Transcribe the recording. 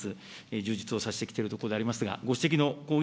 充実をさせてきているところでありますが、ご指摘の抗原